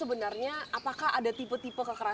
entah di di einer